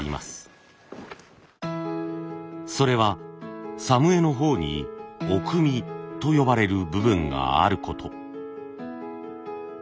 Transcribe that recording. それは作務衣のほうにおくみと呼ばれる部分があること。